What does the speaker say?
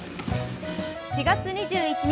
４月２１日